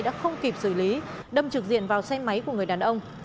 đã không kịp xử lý đâm trực diện vào xe máy của người đàn ông